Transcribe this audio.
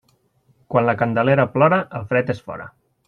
Quan la Candelera plora, el fred és fora.